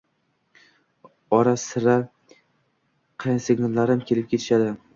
Ora-sira qaynisingillarim kelib ketishadi.